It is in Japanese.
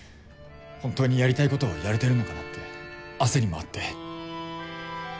本当にやりたいことをやれてるのかなって焦りもあって。